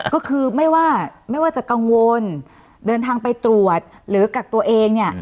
ก็คือไม่ว่าไม่ว่าจะกังวลเดินทางไปตรวจหรือกักตัวเองเนี่ย